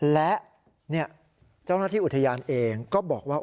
และเจ้าหน้าที่อุทยานเองก็บอกว่า